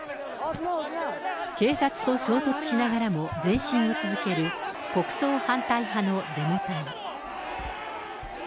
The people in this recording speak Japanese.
警察と衝突しながらも前進を続ける国葬反対派のデモ隊。